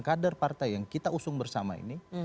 kader partai yang kita usung bersama ini